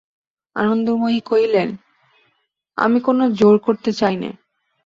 আনন্দময়ী কহিলেন, আমি কোনো জোর করতে চাই নে।